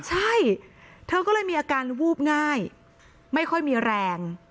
ใช่เธอก็เลยมีอาการวูบง่ายไม่ค่อยมีแรง